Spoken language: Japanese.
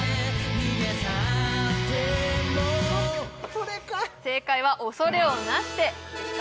これか正解は「恐れをなして」でした